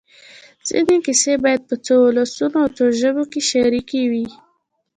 ځينې کیسې بیا په څو ولسونو او څو ژبو کې شریکې وي.